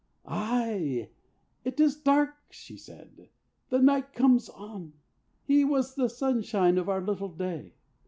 "Aye, it is dark," she said. "The night comes on. He was the sunshine of our little day.